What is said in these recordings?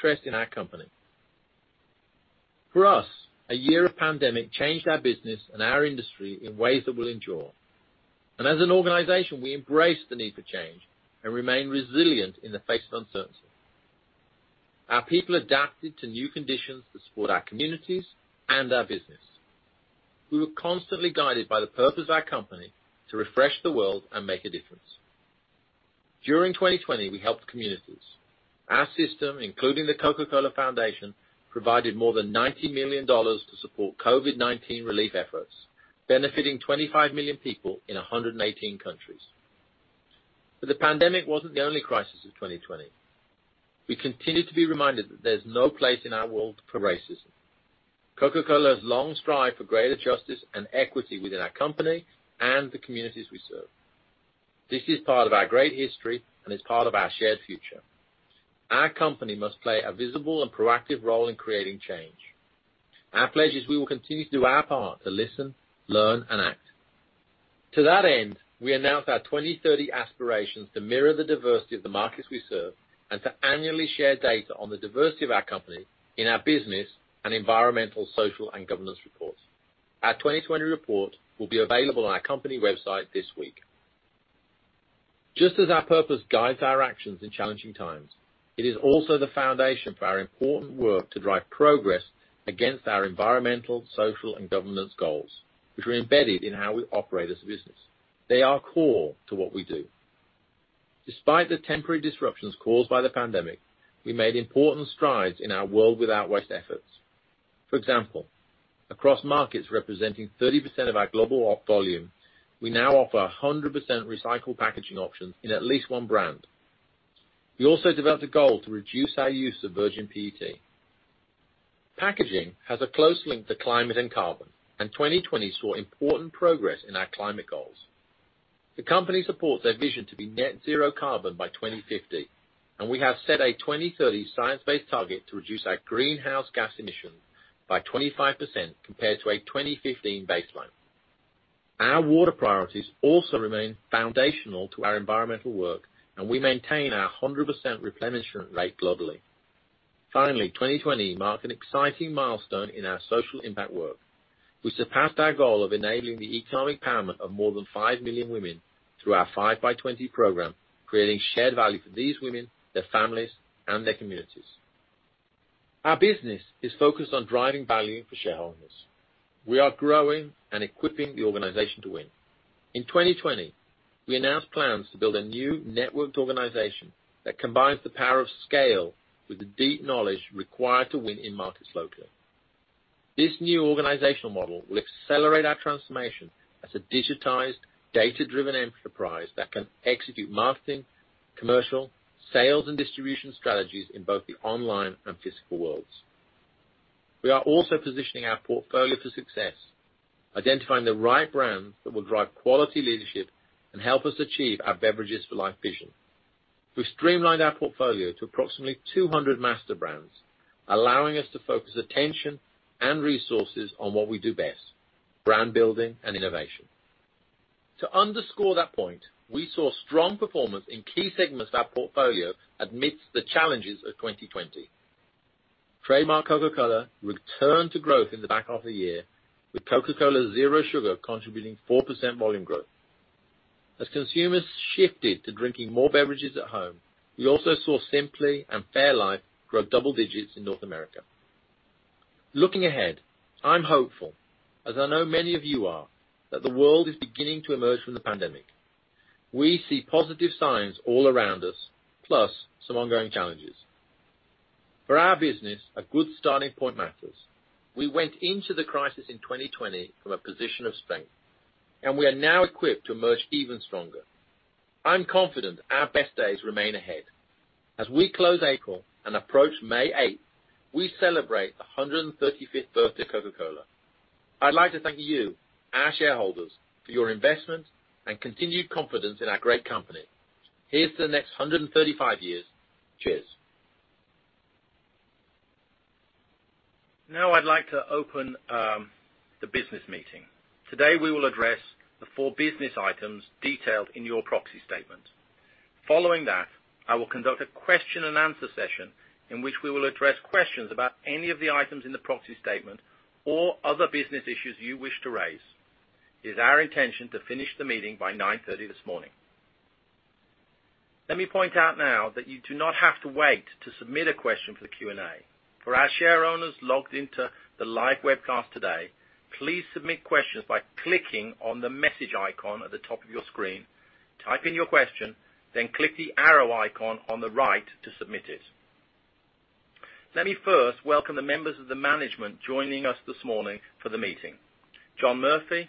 Trust in our company. For us, a year of pandemic changed our business and our industry in ways that will endure. As an organization, we embrace the need for change and remain resilient in the face of uncertainty. Our people adapted to new conditions to support our communities and our business. We were constantly guided by the purpose of our company to refresh the world and make a difference. During 2020, we helped communities. Our system, including The Coca-Cola Foundation, provided more than $90 million to support COVID-19 relief efforts, benefiting 25 million people in 118 countries. The pandemic wasn't the only crisis of 2020. We continued to be reminded that there's no place in our world for racism. Coca-Cola has long strived for greater justice and equity within our company and the communities we serve. This is part of our great history, and it's part of our shared future. Our company must play a visible and proactive role in creating change. Our pledge is we will continue to do our part to listen, learn, and act. To that end, we announce our 2030 aspirations to mirror the diversity of the markets we serve and to annually share data on the diversity of our company in our business and environmental, social, and governance reports. Our 2020 report will be available on our company website this week. Just as our purpose guides our actions in challenging times, it is also the foundation for our important work to drive progress against our environmental, social, and governance goals, which are embedded in how we operate as a business. They are core to what we do. Despite the temporary disruptions caused by the pandemic, we made important strides in our World Without Waste efforts. For example, across markets representing 30% of our global off volume, we now offer 100% recycled packaging options in at least one brand. We also developed a goal to reduce our use of virgin PET. Packaging has a close link to climate and carbon, and 2020 saw important progress in our climate goals. The company supports our vision to be net zero carbon by 2050, and we have set a 2030 science-based target to reduce our greenhouse gas emissions by 25% compared to a 2015 baseline. Our water priorities also remain foundational to our environmental work, and we maintain our 100% replenishment rate globally. Finally, 2020 marked an exciting milestone in our social impact work. We surpassed our goal of enabling the economic empowerment of more than five million women through our 5 by20 program, creating shared value for these women, their families, and their communities. Our business is focused on driving value for shareholders. We are growing and equipping the organization to win. In 2020, we announced plans to build a new networked organization that combines the power of scale with the deep knowledge required to win in markets locally. This new organizational model will accelerate our transformation as a digitized, data-driven enterprise that can execute marketing, commercial, sales, and distribution strategies in both the online and physical worlds. We are also positioning our portfolio for success, identifying the right brands that will drive quality leadership and help us achieve our Beverages for Life vision. We've streamlined our portfolio to approximately 200 master brands, allowing us to focus attention and resources on what we do best, brand building and innovation. To underscore that point, we saw strong performance in key segments of our portfolio amidst the challenges of 2020. Trademark Coca-Cola returned to growth in the back half of the year, with Coca-Cola Zero Sugar contributing 4% volume growth. As consumers shifted to drinking more beverages at home, we also saw Simply and fairlife grow double digits in North America. Looking ahead, I'm hopeful, as I know many of you are, that the world is beginning to emerge from the pandemic. We see positive signs all around us, plus some ongoing challenges. For our business, a good starting point matters. We went into the crisis in 2020 from a position of strength, and we are now equipped to emerge even stronger. I'm confident our best days remain ahead. As we close April and approach May 8th, we celebrate the 135th birthday of Coca-Cola. I'd like to thank you, our shareholders, for your investment and continued confidence in our great company. Here's to the next 135 years. Cheers. Now I'd like to open the business meeting. Today, we will address the four business items detailed in your proxy statement. Following that, I will conduct a question and answer session in which we will address questions about any of the items in the proxy statement or other business issues you wish to raise. It is our intention to finish the meeting by 9:30 A.M. this morning. Let me point out now that you do not have to wait to submit a question for the Q&A. For our share owners logged into the live webcast today, please submit questions by clicking on the message icon at the top of your screen. Type in your question, then click the arrow icon on the right to submit it. Let me first welcome the members of the management joining us this morning for the meeting. John Murphy,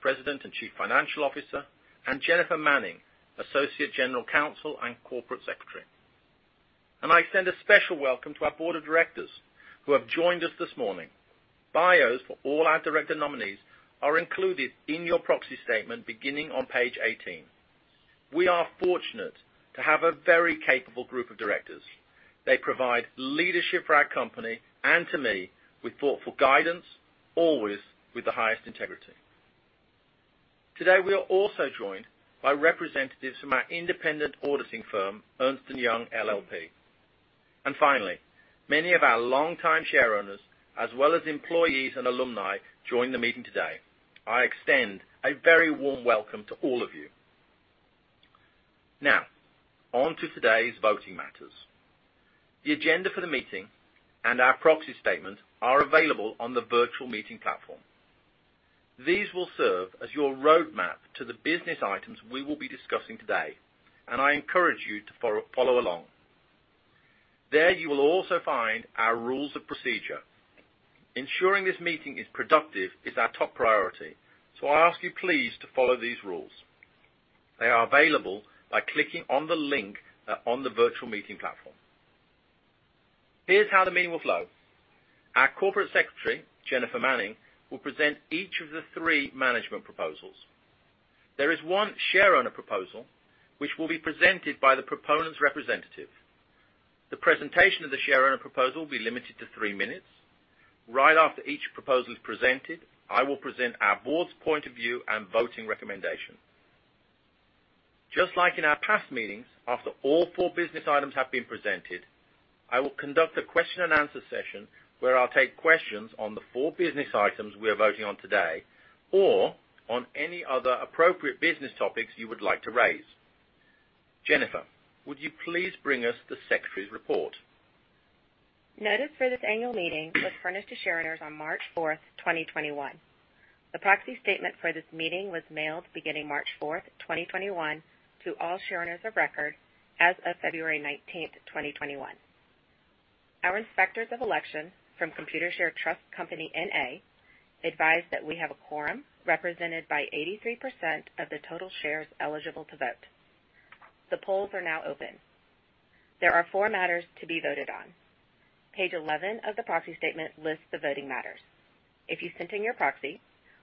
President and Chief Financial Officer, and Jennifer Manning, Associate General Counsel and Corporate Secretary. I extend a special welcome to our Board of Directors who have joined us this morning. Bios for all our director nominees are included in your proxy statement beginning on page 18. We are fortunate to have a very capable group of directors. They provide leadership for our company and to me with thoughtful guidance, always with the highest integrity. Today, we are also joined by representatives from our independent auditing firm, Ernst & Young LLP. Finally, many of our longtime share owners, as well as employees and alumni, join the meeting today. I extend a very warm welcome to all of you. On to today's voting matters. The agenda for the meeting and our proxy statement are available on the virtual meeting platform. These will serve as your roadmap to the business items we will be discussing today. I encourage you to follow along. There you will also find our rules of procedure. Ensuring this meeting is productive is our top priority. I ask you please to follow these rules. They are available by clicking on the link on the virtual meeting platform. Here's how the meeting will flow. Our Corporate Secretary, Jennifer Manning, will present each of the three management proposals. There is one share owner proposal which will be presented by the proponent's representative. The presentation of the share owner proposal will be limited to three minutes. After each proposal is presented, I will present our board's point of view and voting recommendation. Just like in our past meetings, after all four business items have been presented, I will conduct a question and answer session where I'll take questions on the four business items we are voting on today or on any other appropriate business topics you would like to raise. Jennifer, would you please bring us the secretary's report? Notice for this annual meeting was furnished to share owners on March 4, 2021. The proxy statement for this meeting was mailed beginning March 4, 2021, to all share owners of record as of February 19, 2021. Our inspectors of election from Computershare Trust Company, N.A. advise that we have a quorum represented by 83% of the total shares eligible to vote. The polls are now open. There are four matters to be voted on. Page 11 of the proxy statement lists the voting matters. If you sent in your proxy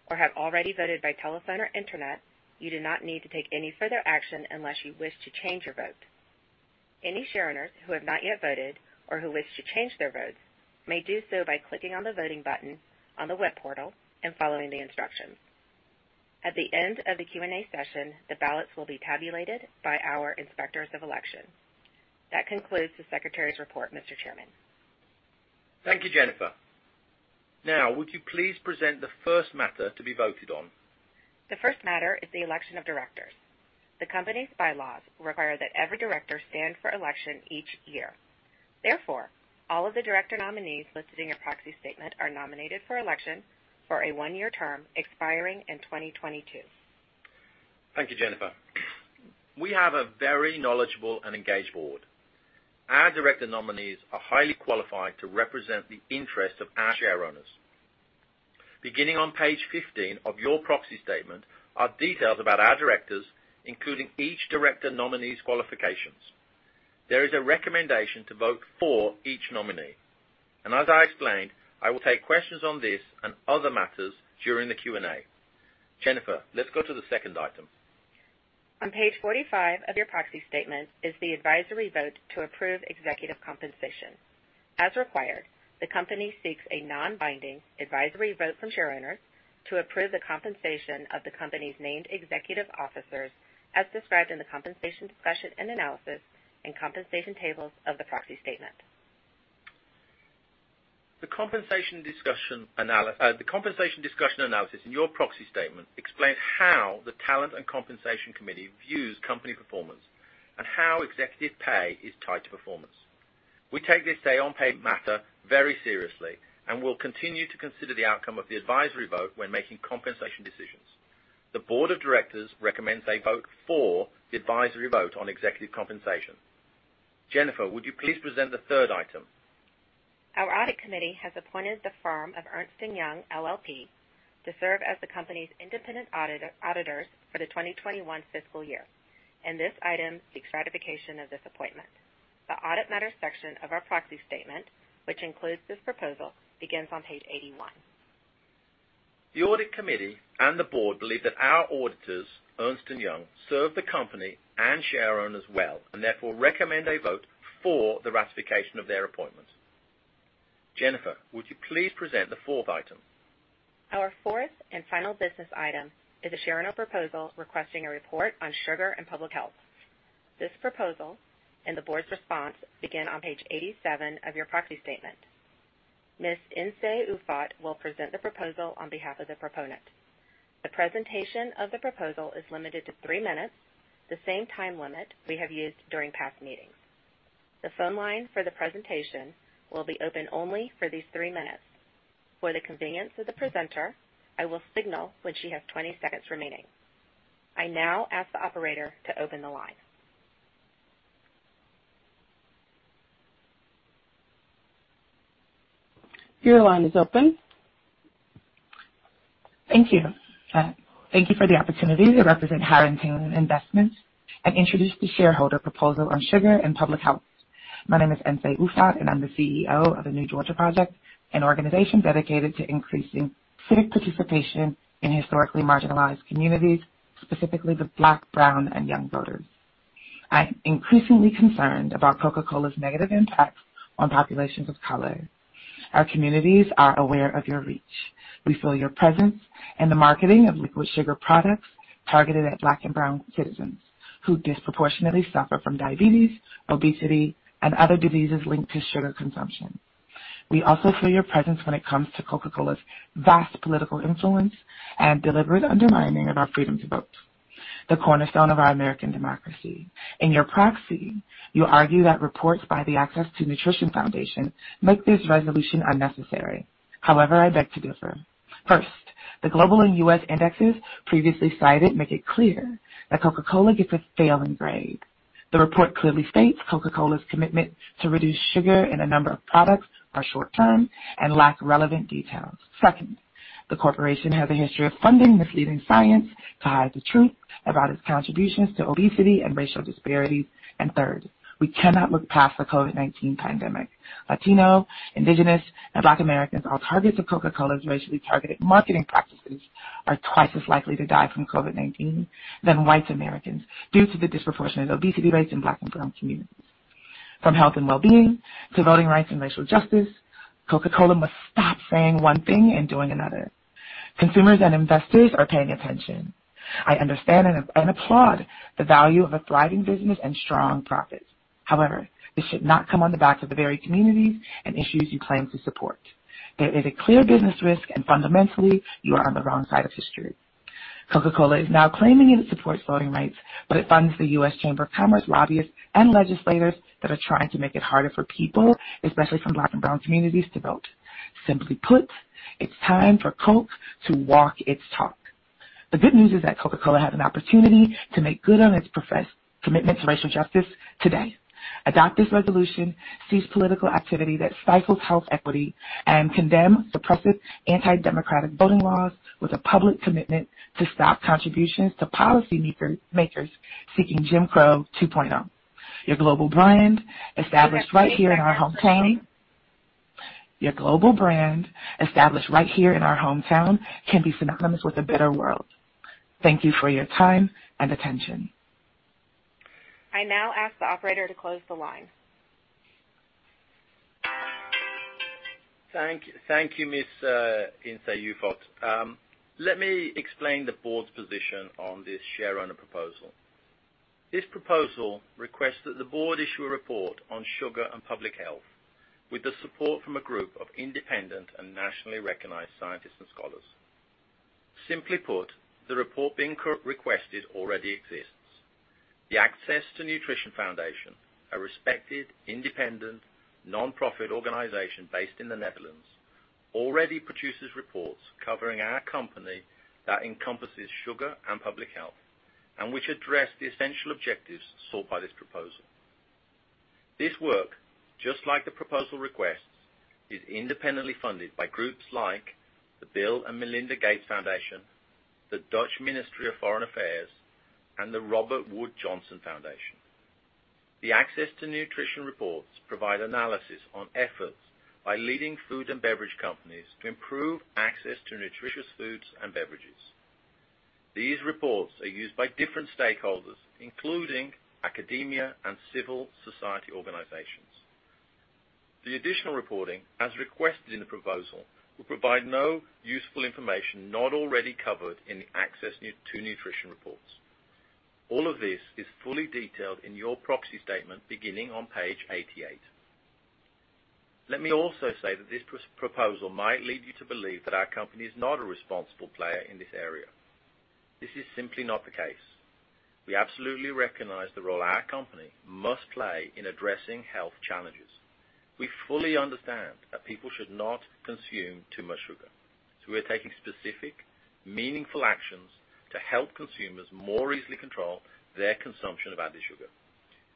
or have already voted by telephone or internet, you do not need to take any further action unless you wish to change your vote. Any share owners who have not yet voted or who wish to change their votes may do so by clicking on the voting button on the web portal and following the instructions. At the end of the Q&A session, the ballots will be tabulated by our inspectors of election. That concludes the secretary's report, Mr. Chairman. Thank you, Jennifer. Now, would you please present the first matter to be voted on? The first matter is the election of directors. The company's bylaws require that every director stand for election each year. All of the director nominees listed in your proxy statement are nominated for election for a one-year term expiring in 2022. Thank you, Jennifer. We have a very knowledgeable and engaged board. Our director nominees are highly qualified to represent the interest of our share owners. Beginning on page 15 of your proxy statement are details about our directors, including each director nominee's qualifications. There is a recommendation to vote for each nominee. As I explained, I will take questions on this and other matters during the Q&A. Jennifer, let's go to the second item. On page 45 of your proxy statement is the advisory vote to approve executive compensation. As required, the company seeks a non-binding advisory vote from share owners to approve the compensation of the company's named executive officers, as described in the compensation discussion and analysis and compensation tables of the proxy statement. The compensation discussion analysis in your proxy statement explains how the Talent and Compensation Committee views company performance and how executive pay is tied to performance. We take this say on pay matter very seriously and will continue to consider the outcome of the advisory vote when making compensation decisions. The Board of Directors recommends a vote for the advisory vote on executive compensation. Jennifer, would you please present the third item? Our audit committee has appointed the firm of Ernst & Young LLP to serve as the company's independent auditors for the 2021 fiscal year, and this item seeks ratification of this appointment. The audit matter section of our proxy statement, which includes this proposal, begins on page 81. The audit committee and the board believe that our auditors, Ernst & Young, serve the company and share owners well, and therefore recommend a vote for the ratification of their appointment. Jennifer, would you please present the fourth item? Our fourth and final business item is a share owner proposal requesting a report on sugar and public health. This proposal and the board's response begin on page 87 of your proxy statement. Ms. Nsé Ufot will present the proposal on behalf of the proponent. The presentation of the proposal is limited to three minutes, the same time limit we have used during past meetings. The phone line for the presentation will be open only for these three minutes. For the convenience of the presenter, I will signal when she has 20 seconds remaining. I now ask the operator to open the line. Your line is open. Thank you. Thank you for the opportunity to represent Howard and Taylor Investments and introduce the shareholder proposal on sugar and public health.My name is Nsé Ufot, and I'm the CEO of The New Georgia Project, an organisation dedicated to increasing civic participation in historically marginalised communities, specifically the Black, brown, and young voters. I am increasingly concerned about Coca-Cola's negative impact on populations of color. Our communities are aware of your reach. We feel your presence in the marketing of liquid sugar products targeted at Black and brown citizens, who disproportionately suffer from diabetes, obesity, and other diseases linked to sugar consumption. We also feel your presence when it comes to Coca-Cola's vast political influence and deliberate undermining of our freedom to vote, the cornerstone of our American democracy. In your proxy, you argue that reports by the Access to Nutrition Initiative make this resolution unnecessary. However, I beg to differ. First, the global and U.S. indexes previously cited make it clear that Coca-Cola gets a failing grade. The report clearly states Coca-Cola's commitment to reduce sugar in a number of products are short-term and lack relevant details. Second, the corporation has a history of funding misleading science to hide the truth about its contributions to obesity and racial disparities. Third, we cannot look past the COVID-19 pandemic. Latino, Indigenous, and Black Americans, all targets of Coca-Cola's racially targeted marketing practices, are twice as likely to die from COVID-19 than white Americans due to the disproportionate obesity rates in Black and brown communities. From health and well-being to voting rights and racial justice, Coca-Cola must stop saying one thing and doing another. Consumers and investors are paying attention. I understand and applaud the value of a thriving business and strong profits. However, this should not come on the backs of the very communities and issues you claim to support. There is a clear business risk. Fundamentally, you are on the wrong side of history. Coca-Cola is now claiming it supports voting rights. It funds the U.S. Chamber of Commerce lobbyists and legislators that are trying to make it harder for people, especially from Black and brown communities, to vote. Simply put, it's time for Coke to walk its talk. The good news is that Coca-Cola has an opportunity to make good on its professed commitment to racial justice today. Adopt this resolution, cease political activity that stifles health equity. Condemn suppressive anti-democratic voting laws with a public commitment to stop contributions to policymakers seeking Jim Crow 2.0. Your global brand, established right here in our hometown, can be synonymous with a better world. Thank you for your time and attention. I now ask the operator to close the line. Thank you, Ms. Nsé Ufot. Let me explain the Board's position on this share owner proposal. This proposal requests that the Board issue a report on sugar and public health, with the support from a group of independent and nationally recognized scientists and scholars. Simply put, the report being requested already exists. The Access to Nutrition Initiative, a respected, independent, nonprofit organization based in the Netherlands, already produces reports covering our company that encompasses sugar and public health and which address the essential objectives sought by this proposal. This work, just like the proposal requests, is independently funded by groups like the Bill & Melinda Gates Foundation, the Ministry of Foreign Affairs of the Netherlands, and the Robert Wood Johnson Foundation. The Access to Nutrition Initiative reports provide analysis on efforts by leading food and beverage companies to improve access to nutritious foods and beverages. These reports are used by different stakeholders, including academia and civil society organizations. The additional reporting, as requested in the proposal, will provide no useful information not already covered in the Access to Nutrition reports. All of this is fully detailed in your proxy statement beginning on page 88. Let me also say that this proposal might lead you to believe that our company is not a responsible player in this area. This is simply not the case. We absolutely recognize the role our company must play in addressing health challenges. We fully understand that people should not consume too much sugar, so we are taking specific, meaningful actions to help consumers more easily control their consumption of added sugar.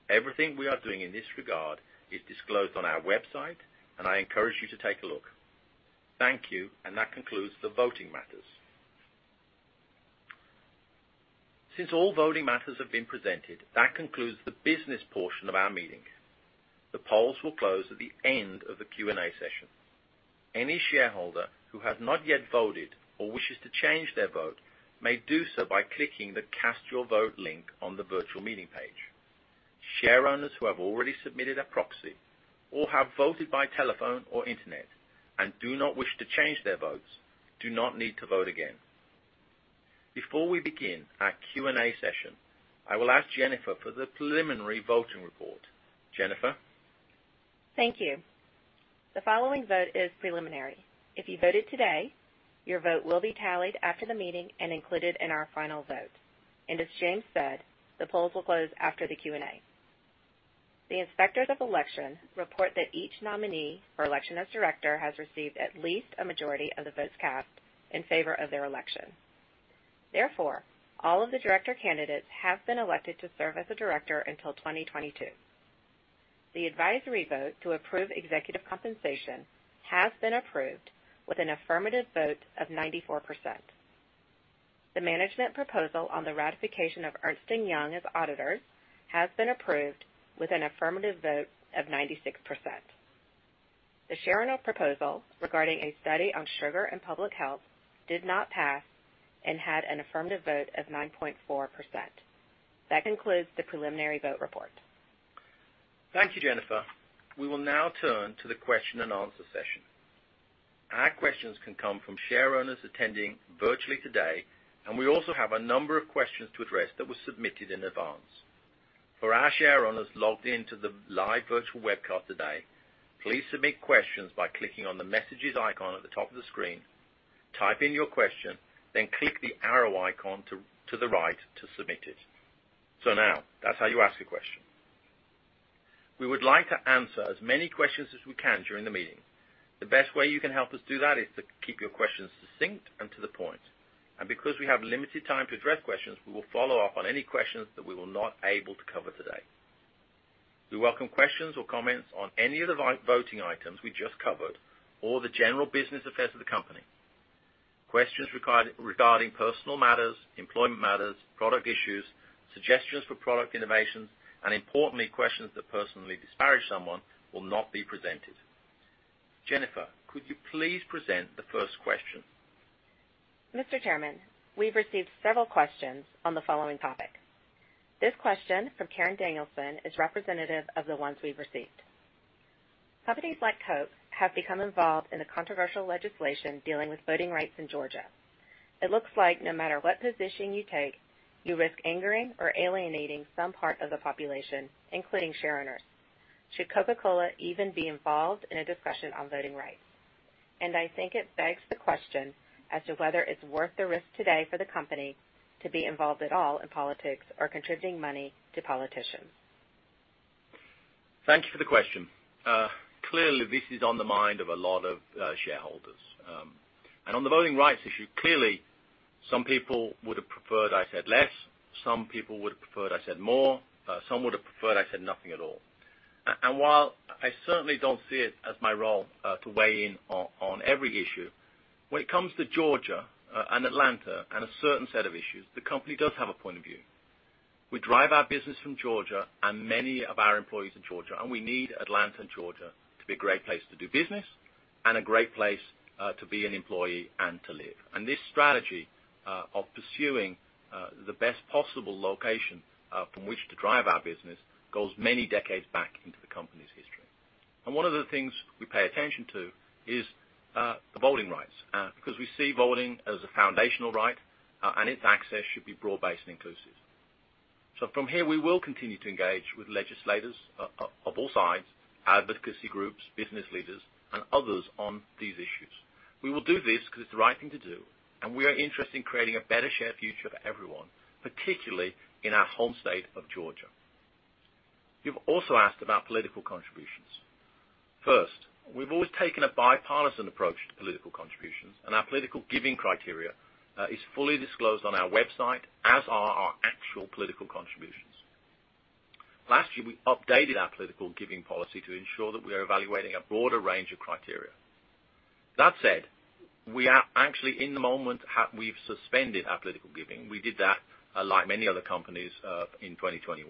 Everything we are doing in this regard is disclosed on our website, and I encourage you to take a look. Thank you, and that concludes the voting matters. Since all voting matters have been presented, that concludes the business portion of our meeting. The polls will close at the end of the Q&A session. Any shareholder who has not yet voted or wishes to change their vote may do so by clicking the Cast Your Vote link on the virtual meeting page. Share owners who have already submitted a proxy or have voted by telephone or internet and do not wish to change their votes do not need to vote again. Before we begin our Q&A session, I will ask Jennifer for the preliminary voting report. Jennifer? Thank you. The following vote is preliminary. If you voted today, your vote will be tallied after the meeting and included in our final vote. As James said, the polls will close after the Q&A. The inspectors of election report that each nominee for election as director has received at least a majority of the votes cast in favor of their election. All of the director candidates have been elected to serve as a director until 2022. The advisory vote to approve executive compensation has been approved with an affirmative vote of 94%. The management proposal on the ratification of Ernst & Young as auditors has been approved with an affirmative vote of 96%. The share owner proposal regarding a study on sugar and public health did not pass and had an affirmative vote of 9.4%. That concludes the preliminary vote report. Thank you, Jennifer. We will now turn to the question and answer session. Our questions can come from share owners attending virtually today, and we also have a number of questions to address that were submitted in advance. For our share owners logged in to the live virtual webcast today, please submit questions by clicking on the Messages icon at the top of the screen, type in your question, then click the Arrow icon to the right to submit it. Now, that's how you ask a question. We would like to answer as many questions as we can during the meeting. The best way you can help us do that is to keep your questions succinct and to the point. Because we have limited time to address questions, we will follow up on any questions that we were not able to cover today. We welcome questions or comments on any of the voting items we just covered or the general business affairs of the company. Questions regarding personal matters, employment matters, product issues, suggestions for product innovations, and importantly, questions that personally disparage someone will not be presented. Jennifer, could you please present the first question? Mr. Chairman, we've received several questions on the following topic. This question from Karen Danielson is representative of the ones we've received. Companies like Coke have become involved in a controversial legislation dealing with voting rights in Georgia. It looks like no matter what position you take, you risk angering or alienating some part of the population, including share owners. Should Coca-Cola even be involved in a discussion on voting rights? I think it begs the question as to whether it's worth the risk today for the company to be involved at all in politics or contributing money to politicians. Thank you for the question. Clearly, this is on the mind of a lot of shareholders. On the voting rights issue, clearly, some people would have preferred I said less, some people would have preferred I said more, some would have preferred I said nothing at all. While I certainly don't see it as my role to weigh in on every issue, when it comes to Georgia and Atlanta and a certain set of issues, the company does have a point of view. We drive our business from Georgia and many of our employees in Georgia, and we need Atlanta and Georgia to be a great place to do business and a great place to be an employee and to live. This strategy of pursuing the best possible location from which to drive our business goes many decades back into the company's history. One of the things we pay attention to is voting rights, because we see voting as a foundational right and its access should be broad-based and inclusive. From here, we will continue to engage with legislators of all sides, advocacy groups, business leaders, and others on these issues. We will do this because it's the right thing to do, and we are interested in creating a better shared future for everyone, particularly in our home state of Georgia. You've also asked about political contributions. First, we've always taken a bipartisan approach to political contributions, and our political giving criteria is fully disclosed on our website, as are our actual political contributions. Last year, we updated our political giving policy to ensure that we are evaluating a broader range of criteria. That said, we are actually in the moment, we've suspended our political giving. We did that, like many other companies, in 2021.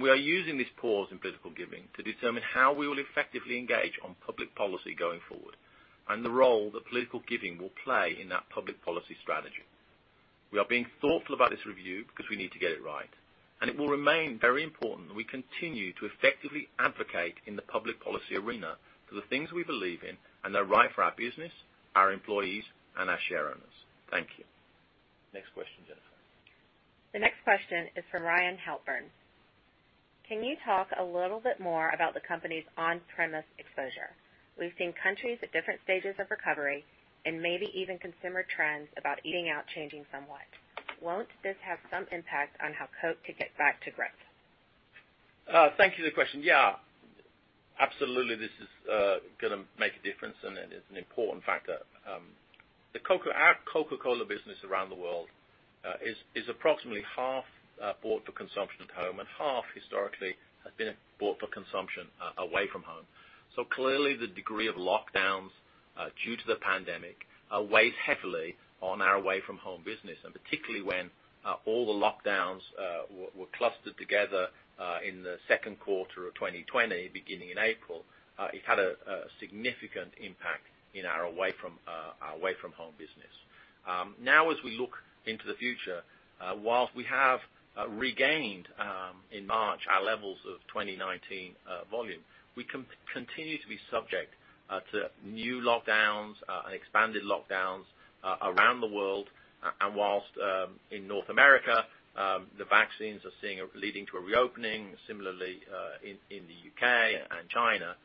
We are using this pause in political giving to determine how we will effectively engage on public policy going forward and the role that political giving will play in that public policy strategy. We are being thoughtful about this review because we need to get it right. It will remain very important that we continue to effectively advocate in the public policy arena for the things we believe in and are right for our business, our employees, and our share owners. Thank you. Next question, Jennifer. The next question is from Robin Halpern. Can you talk a little bit more about the company's on-premise exposure? We've seen countries at different stages of recovery and maybe even consumer trends about eating out changing somewhat. Won't this have some impact on how Coke to get back to growth? Thank you for the question. Yeah, absolutely this is going to make a difference, and it's an important factor. Our Coca-Cola business around the world is approximately half bought for consumption at home and half historically has been bought for consumption away from home. Clearly, the degree of lockdowns due to the pandemic weighs heavily on our away from home business, and particularly when all the lockdowns were clustered together in the second quarter of 2020, beginning in April. It had a significant impact in our away from home business. Now as we look into the future, while we have regained in March our levels of 2019 volume, we continue to be subject to new lockdowns and expanded lockdowns around the world. While in North America, the vaccines are leading to a reopening, similarly in the U.K. and China.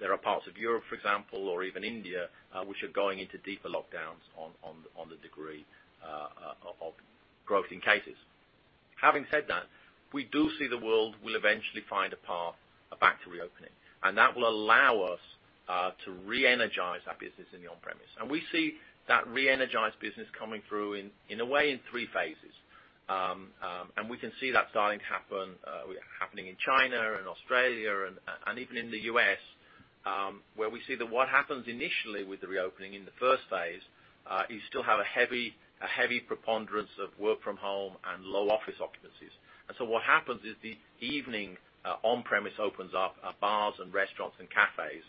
There are parts of Europe, for example, or even India, which are going into deeper lockdowns on the degree of growth in cases. Having said that, we do see the world will eventually find a path back to reopening, that will allow us to re-energized our business in the on-premise. We see that re-energized business coming through in a way in three phases. We can see that starting happening in China and Australia and even in the U.S. Where we see that what happens initially with the reopening in the first phase, is you still have a heavy preponderance of work from home and low office occupancies. What happens is the evening on-premise opens up bars and restaurants and cafes.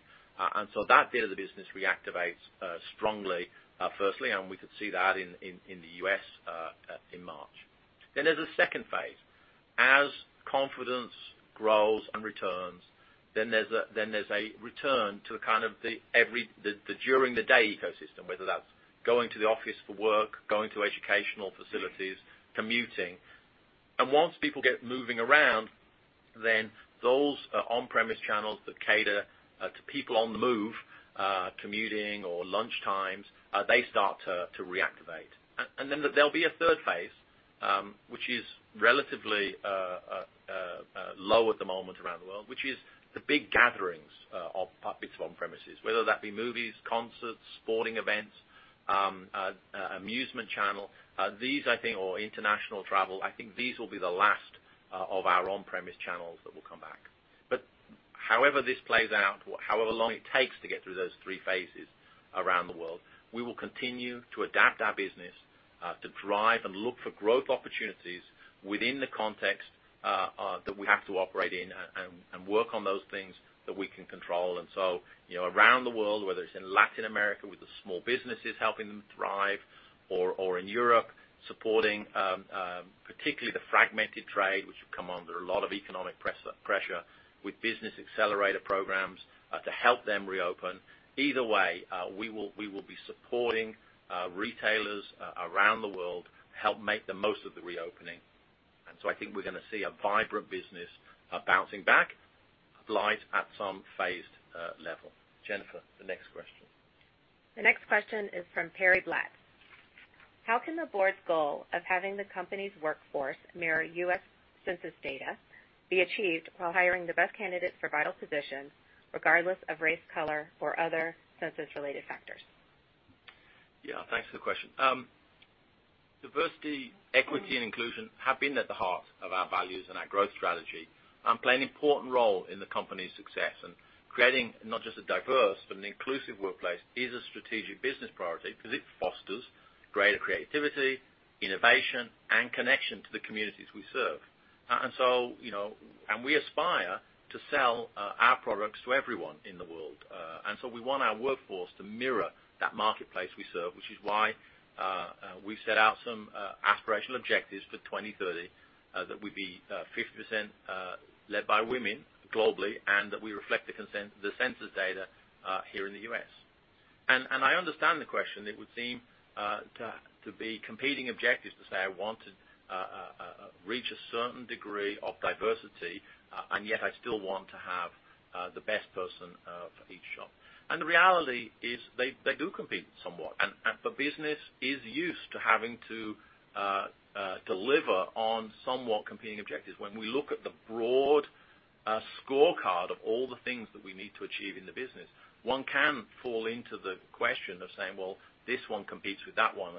That bit of the business reactivates strongly, firstly, and we could see that in the U.S. in March. There's a second phase. As confidence grows and returns, then there's a return to the during the day ecosystem, whether that's going to the office for work, going to educational facilities, commuting. Once people get moving around, then those on-premise channels that cater to people on the move, commuting or lunchtimes, they start to reactivate. Then there'll be a third phase, which is relatively low at the moment around the world, which is the big gatherings of bits of on-premises, whether that be movies, concerts, sporting events, amusement channel, or international travel. I think these will be the last of our on-premise channels that will come back. However this plays out, however long it takes to get through those three phases around the world, we will continue to adapt our business to drive and look for growth opportunities within the context that we have to operate in and work on those things that we can control. Around the world, whether it's in Latin America with the small businesses, helping them thrive, or in Europe, supporting particularly the fragmented trade, which have come under a lot of economic pressure with business accelerator programs to help them reopen. Either way, we will be supporting retailers around the world, help make the most of the reopening. I think we're going to see a vibrant business bouncing back, applied at some phased level. Jennifer, the next question. The next question is from Perry Black. How can the board's goal of having the company's workforce mirror U.S. Census data be achieved while hiring the best candidate for vital positions regardless of race, color, or other census-related factors? Yeah. Thanks for the question. Diversity, equity, and inclusion have been at the heart of our values and our growth strategy and play an important role in the company's success. Creating not just a diverse, but an inclusive workplace is a strategic business priority because it fosters greater creativity, innovation, and connection to the communities we serve. We aspire to sell our products to everyone in the world. We want our workforce to mirror that marketplace we serve, which is why we set out some aspirational objectives for 2030, that we be 50% led by women globally, and that we reflect the census data here in the U.S. I understand the question. It would seem to be competing objectives to say I want to reach a certain degree of diversity, and yet I still want to have the best person for each job. The reality is they do compete somewhat. The business is used to having to deliver on somewhat competing objectives. When we look at the broad scorecard of all the things that we need to achieve in the business, one can fall into the question of saying, "Well, this one competes with that one."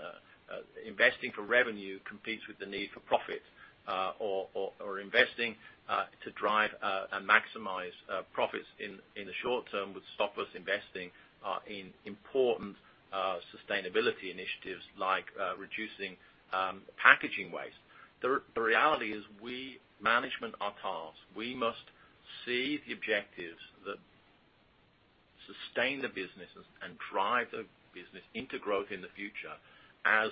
Investing for revenue competes with the need for profit or investing to drive and maximize profits in the short term would stop us investing in important sustainability initiatives like reducing packaging waste. The reality is we, management, are tasked. We must see the objectives that sustain the business and drive the business into growth in the future as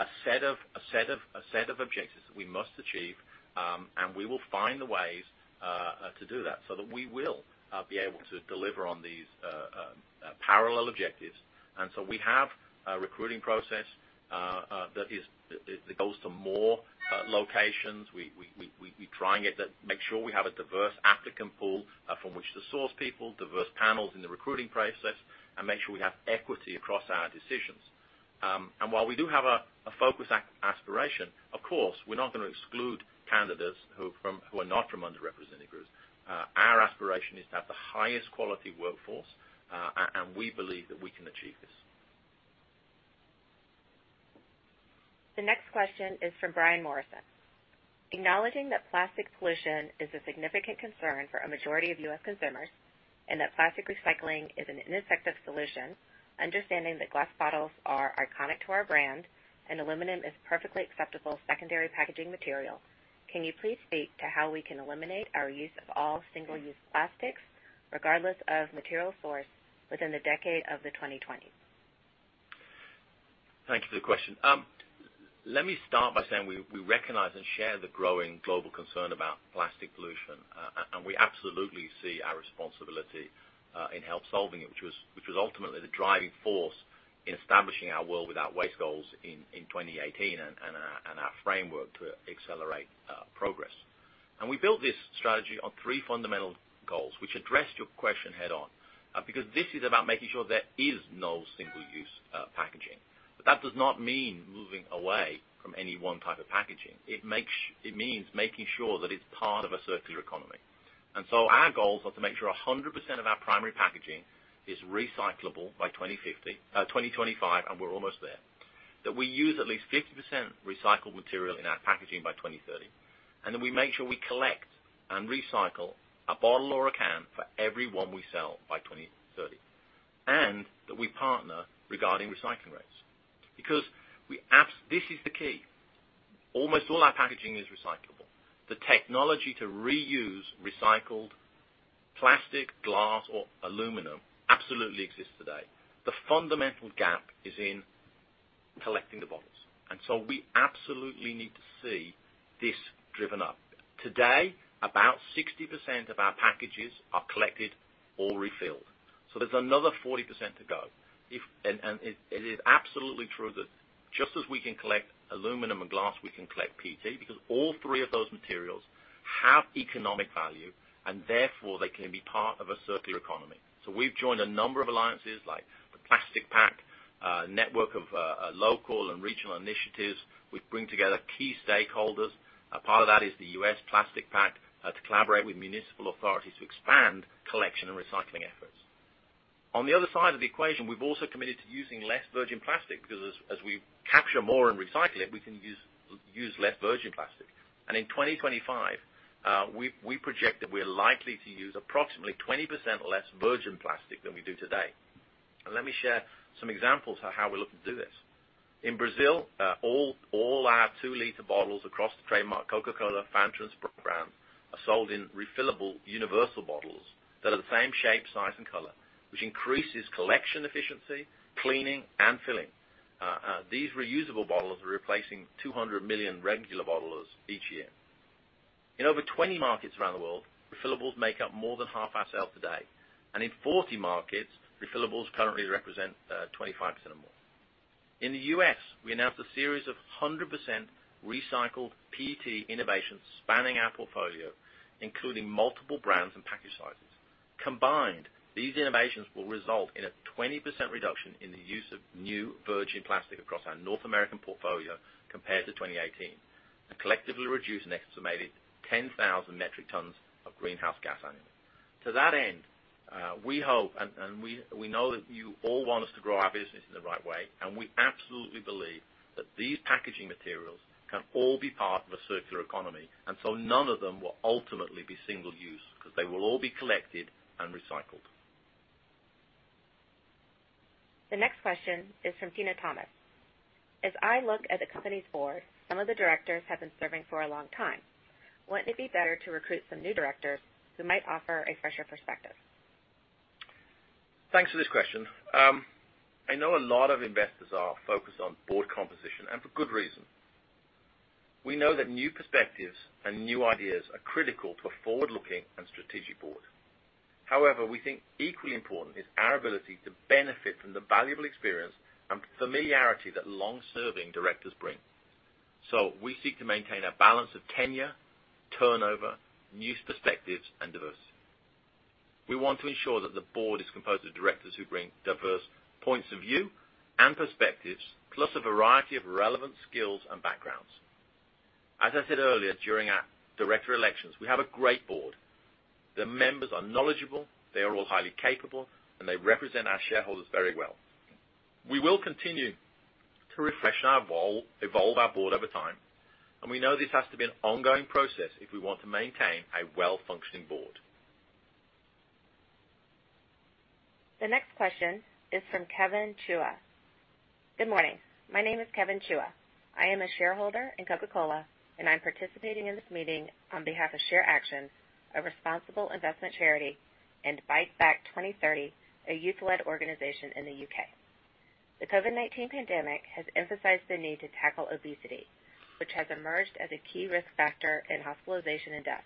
a set of objectives that we must achieve, and we will find the ways to do that so that we will be able to deliver on these parallel objectives. We have a recruiting process that goes to more locations. We try to make sure we have a diverse applicant pool from which to source people, diverse panels in the recruiting process, and make sure we have equity across our decisions. While we do have a focus aspiration, of course, we're not going to exclude candidates who are not from underrepresented groups. Our aspiration is to have the highest quality workforce, and we believe that we can achieve this. The next question is from Brian Morrison. Acknowledging that plastic pollution is a significant concern for a majority of U.S. consumers, and that plastic recycling is an ineffective solution, understanding that glass bottles are iconic to our brand and aluminum is perfectly acceptable secondary packaging material, can you please speak to how we can eliminate our use of all single-use plastics, regardless of material source, within the decade of the 2020s? Thank you for the question. Let me start by saying we recognize and share the growing global concern about plastic pollution, and we absolutely see our responsibility in help solving it, which was ultimately the driving force in establishing our World Without Waste goals in 2018 and our framework to accelerate progress. We built this strategy on three fundamental goals, which address your question head on, because this is about making sure there is no single-use packaging. That does not mean moving away from any one type of packaging. It means making sure that it's part of a circular economy. Our goals are to make sure 100% of our primary packaging is recyclable by 2025, and we're almost there. That we use at least 50% recycled material in our packaging by 2030, and that we make sure we collect and recycle a bottle or a can for every one we sell by 2030, and that we partner regarding recycling rates. This is the key. Almost all our packaging is recyclable. The technology to reuse recycled plastic, glass, or aluminum absolutely exists today. The fundamental gap is in collecting the bottles. We absolutely need to see this driven up. Today, about 60% of our packages are collected or refilled. There's another 40% to go. It is absolutely true that just as we can collect aluminum and glass, we can collect PET, because all three of those materials have economic value, and therefore, they can be part of a circular economy. We've joined a number of alliances like the Plastics Pact, a network of local and regional initiatives, which bring together key stakeholders. A part of that is the U.S. Plastics Pact, to collaborate with municipal authorities to expand collection and recycling efforts. On the other side of the equation, we've also committed to using less virgin plastic because as we capture more and recycle it, we can use less virgin plastic. In 2025, we project that we're likely to use approximately 20% less virgin plastic than we do today. Let me share some examples of how we're looking to do this. In Brazil, all our two liter bottles across the trademark Coca-Cola, Fanta brands are sold in refillable universal bottles that are the same shape, size, and color, which increases collection efficiency, cleaning, and filling. These reusable bottles are replacing 200 million regular bottles each year. In over 20 markets around the world, refillables make up more than half our sale today. In 40 markets, refillables currently represent 25% or more. In the U.S., we announced a series of 100% recycled PET innovations spanning our portfolio, including multiple brands and package sizes. Combined, these innovations will result in a 20% reduction in the use of new virgin PET across our North American portfolio compared to 2018, and collectively reduce an estimated 10,000 metric tons of greenhouse gas annually. To that end, we hope, and we know that you all want us to grow our business in the right way, and we absolutely believe that these packaging materials can all be part of a circular economy, and so none of them will ultimately be single-use because they will all be collected and recycled. The next question is from Tina Thomas. As I look at the company's board, some of the directors have been serving for a long time. Wouldn't it be better to recruit some new directors who might offer a fresher perspective? Thanks for this question. I know a lot of investors are focused on board composition, and for good reason. We know that new perspectives and new ideas are critical to a forward-looking and strategic board. However, we think equally important is our ability to benefit from the valuable experience and familiarity that long-serving directors bring. We seek to maintain a balance of tenure, turnover, new perspectives, and diversity. We want to ensure that the board is composed of directors who bring diverse points of view and perspectives, plus a variety of relevant skills and backgrounds. As I said earlier during our director elections, we have a great board. The members are knowledgeable, they are all highly capable, and they represent our shareholders very well. We will continue to refresh and evolve our board over time, and we know this has to be an ongoing process if we want to maintain a well-functioning board. The next question is from Kevin Chua. Good morning. My name is Kevin Chua. I am a shareholder in Coca-Cola, and I am participating in this meeting on behalf of ShareAction, a responsible investment charity, and Bite Back 2030, a youth-led organization in the U.K. The COVID-19 pandemic has emphasized the need to tackle obesity, which has emerged as a key risk factor in hospitalization and death.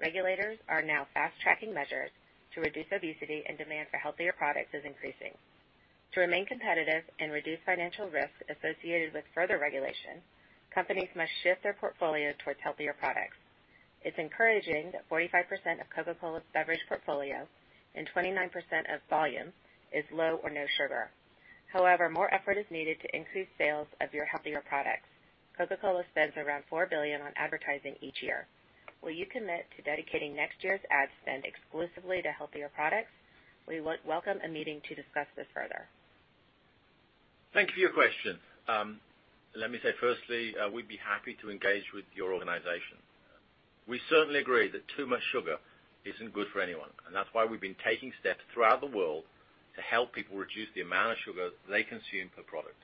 Regulators are now fast-tracking measures to reduce obesity and demand for healthier products is increasing. To remain competitive and reduce financial risks associated with further regulation, companies must shift their portfolio towards healthier products. It is encouraging that 45% of Coca-Cola's beverage portfolio and 29% of volume is low or no sugar. However, more effort is needed to increase sales of your healthier products. Coca-Cola spends around $4 billion on advertising each year. Will you commit to dedicating next year's ad spend exclusively to healthier products? We would welcome a meeting to discuss this further. Thank you for your question. Let me say firstly, we'd be happy to engage with your organization. We certainly agree that too much sugar isn't good for anyone, and that's why we've been taking steps throughout the world to help people reduce the amount of sugar they consume per product.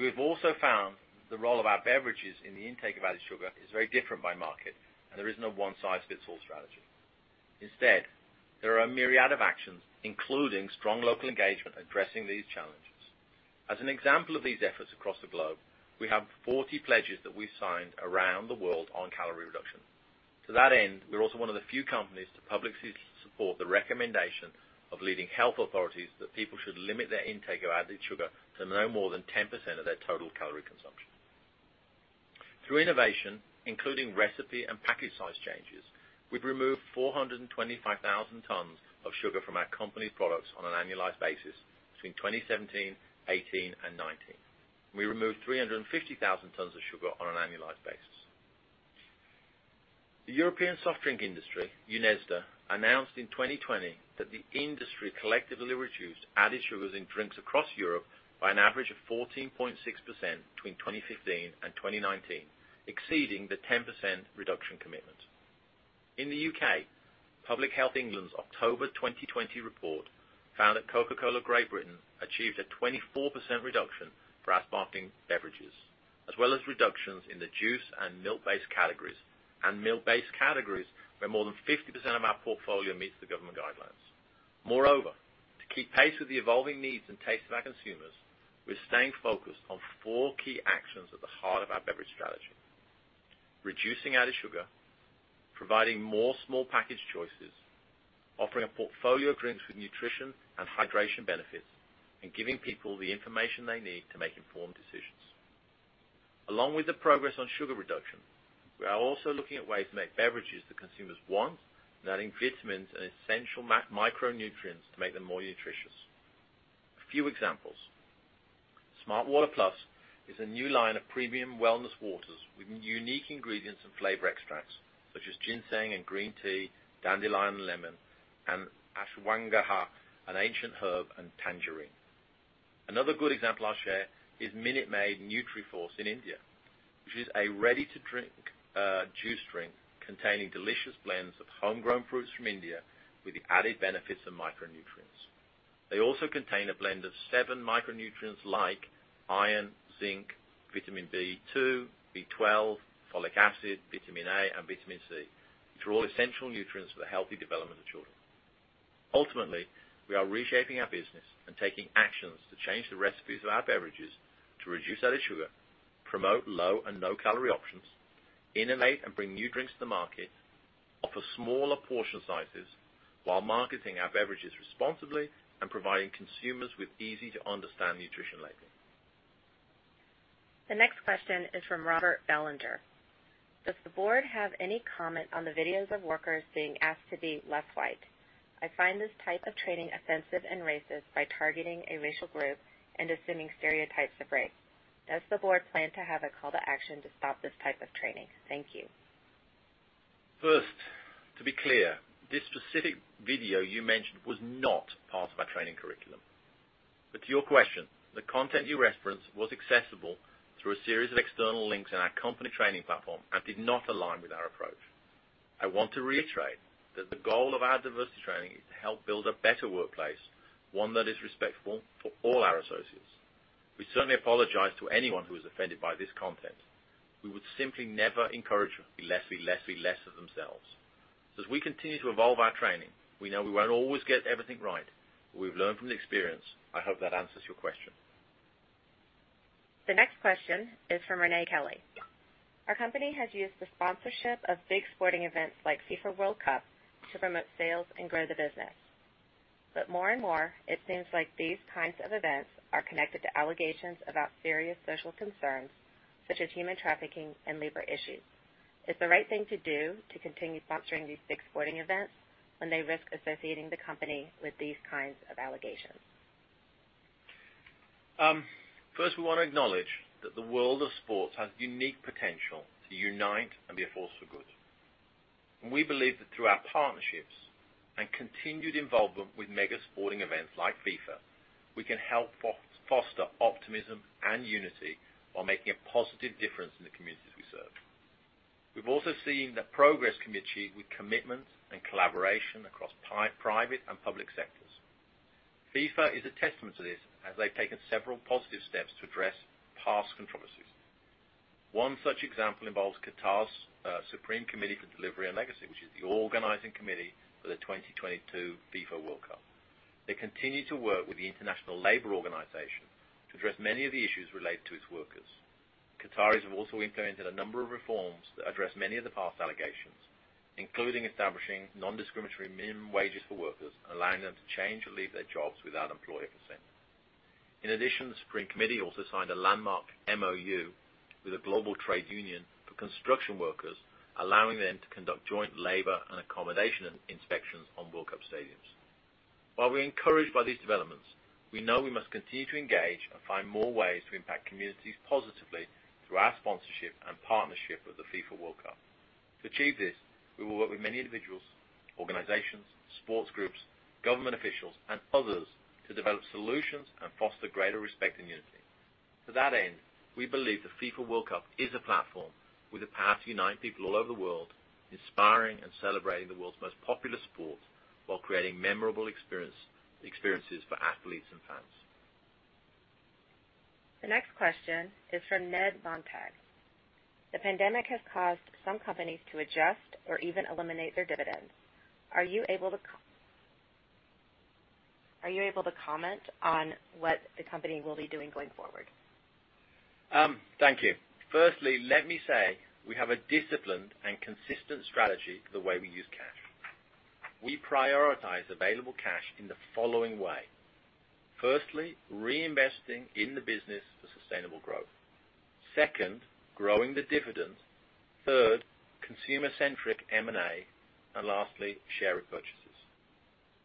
We have also found the role of our beverages in the intake of added sugar is very different by market, and there is no one-size-fits-all strategy. Instead, there are a myriad of actions, including strong local engagement, addressing these challenges. As an example of these efforts across the globe, we have 40 pledges that we've signed around the world on calorie reduction. To that end, we're also one of the few companies to publicly support the recommendation of leading health authorities that people should limit their intake of added sugar to no more than 10% of their total calorie consumption. Through innovation, including recipe and package size changes, we've removed 425,000 tons of sugar from our company products on an annualized basis between 2017, 2018, and 2019. We removed 350,000 tons of sugar on an annualized basis. The European soft drink industry, UNESDA, announced in 2020 that the industry collectively reduced added sugars in drinks across Europe by an average of 14.6% between 2015 and 2019, exceeding the 10% reduction commitment. In the U.K., Public Health England's October 2020 report found that Coca-Cola Great Britain achieved a 24% reduction for its marketing beverages, as well as reductions in the juice and milk-based categories, where more than 50% of our portfolio meets the government guidelines. Moreover, to keep pace with the evolving needs and tastes of our consumers, we're staying focused on four key actions at the heart of our beverage strategy. Reducing added sugar, providing more small package choices, offering a portfolio of drinks with nutrition and hydration benefits, and giving people the information they need to make informed decisions. Along with the progress on sugar reduction, we are also looking at ways to make beverages that consumers want and adding vitamins and essential micronutrients to make them more nutritious. A few examples. smartwater+ is a new line of premium wellness waters with unique ingredients and flavor extracts, such as ginseng and green tea, dandelion and lemon, and ashwagandha, an ancient herb, and tangerine. Another good example I'll share is Minute Maid Nutriforce in India, which is a ready-to-drink juice drink containing delicious blends of homegrown fruits from India with the added benefits of micronutrients. They also contain a blend of seven micronutrients like iron, zinc, vitamin B2, B12, folic acid, vitamin A, and vitamin C, which are all essential nutrients for the healthy development of children. Ultimately, we are reshaping our business and taking actions to change the recipes of our beverages to reduce added sugar, promote low and low-calorie options, innovate and bring new drinks to the market, offer smaller portion sizes while marketing our beverages responsibly and providing consumers with easy-to-understand nutrition labeling. The next question is from Robert Bellinger. Does the board have any comment on the videos of workers being asked to be less white? I find this type of training offensive and racist by targeting a racial group and assuming stereotypes of race. Does the board plan to have a call to action to stop this type of training? Thank you. First, to be clear, this specific video you mentioned was not part of our training curriculum. To your question, the content you referenced was accessible through a series of external links in our company training platform and did not align with our approach. I want to reiterate that the goal of our diversity training is to help build a better workplace, one that is respectful for all our associates. We certainly apologize to anyone who is offended by this content. We would simply never encourage anybody to be less of themselves. As we continue to evolve our training, we know we won't always get everything right. We've learned from the experience. I hope that answers your question. The next question is from Renee Kelley. Our company has used the sponsorship of big sporting events like FIFA World Cup to promote sales and grow the business. More and more, it seems like these kinds of events are connected to allegations about serious social concerns such as human trafficking and labor issues. Is the right thing to do to continue sponsoring these big sporting events when they risk associating the company with these kinds of allegations? First, we want to acknowledge that the world of sports has unique potential to unite and be a force for good. We believe that through our partnerships and continued involvement with mega sporting events like FIFA, we can help foster optimism and unity while making a positive difference in the communities we serve. We've also seen that progress can be achieved with commitment and collaboration across private and public sectors. FIFA is a testament to this, as they've taken several positive steps to address past controversies. One such example involves Qatar's Supreme Committee for Delivery & Legacy, which is the organizing committee for the 2022 FIFA World Cup. They continue to work with the International Labour Organization to address many of the issues related to its workers. Qataris have also implemented a number of reforms that address many of the past allegations, including establishing non-discriminatory minimum wages for workers and allowing them to change or leave their jobs without employer consent. In addition, the Supreme Committee also signed a landmark MoU with a global trade union for construction workers, allowing them to conduct joint labor and accommodation inspections on World Cup stadiums. While we're encouraged by these developments, we know we must continue to engage and find more ways to impact communities positively through our sponsorship and partnership with the FIFA World Cup. To achieve this, we will work with many individuals, organizations, sports groups, government officials, and others to develop solutions and foster greater respect and unity. To that end, we believe the FIFA World Cup is a platform with the power to unite people all over the world, inspiring and celebrating the world's most popular sport while creating memorable experiences for athletes and fans. The next question is from Ned Montag. The pandemic has caused some companies to adjust or even eliminate their dividends. Are you able to comment on what the company will be doing going forward? Thank you. Let me say we have a disciplined and consistent strategy for the way we use cash. We prioritize available cash in the following way. Reinvesting in the business for sustainable growth. Second, growing the dividend. Third, consumer-centric M&A. Lastly, share repurchases.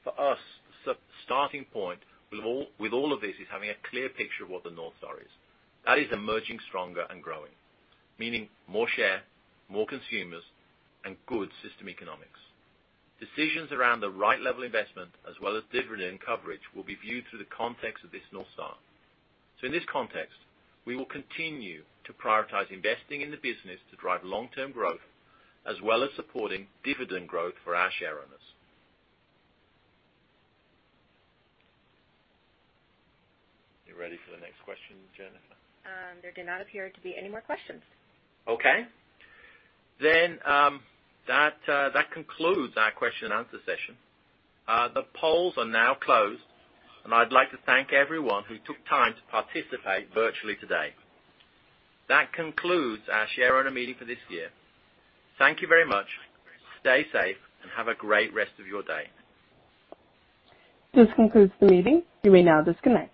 For us, the starting point with all of this is having a clear picture of what the North Star is. That is emerging stronger and growing, meaning more share, more consumers, and good system economics. Decisions around the right level investment as well as dividend coverage will be viewed through the context of this North Star. In this context, we will continue to prioritize investing in the business to drive long-term growth, as well as supporting dividend growth for our share owners. You ready for the next question, Jennifer? There do not appear to be any more questions. Okay. That concludes our question and answer session. The polls are now closed, and I'd like to thank everyone who took time to participate virtually today. That concludes our share owner meeting for this year. Thank you very much. Stay safe and have a great rest of your day. This concludes the meeting. You may now disconnect.